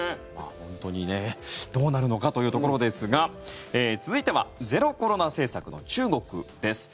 本当にどうなるのかというところですが続いてはゼロコロナ政策の中国です。